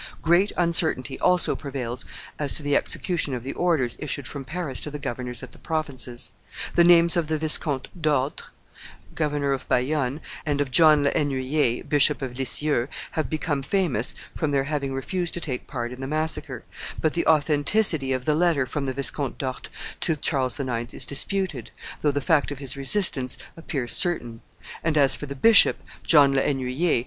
Great uncertainty also prevails as to the execution of the orders issued from Paris to the governors at the provinces; the names of the Viscount d'Orte, governor of Bayonne, and of John le Hennuyer, Bishop of Lisieux, have become famous from their having refused to take part in the massacre; but the authenticity of the letter from the Viscount d'Orte to Charles IX. is disputed, though the fact of his resistance appears certain; and as for the bishop, John le Hennuyer, M.